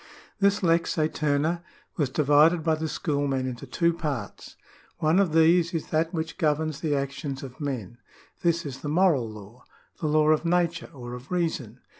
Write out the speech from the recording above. ^ This lex aeterna was divided by the schoolmen into two parts. One of these is that which governs the actions of men : this is the moral law, the law of nature, or of reason.